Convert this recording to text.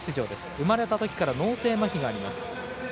生まれたときから脳性まひがあります。